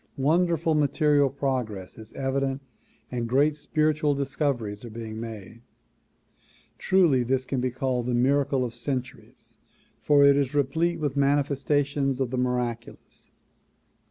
Wonderful material progress is evident and great spiritual discoveries are being made. Truly this can be called the miracle of centuries for it is replete with manifestations of the miraculous.